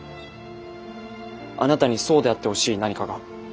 あなたにそうであってほしい何かが。